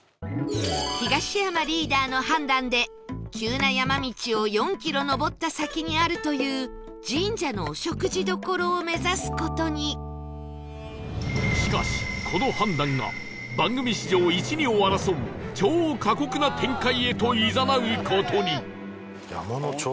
東山リーダーの判断で急な山道を４キロ上った先にあるというしかしこの判断が番組史上一二を争う超過酷な展開へといざなう事に